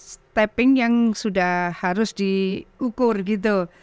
stepping yang sudah harus diukur gitu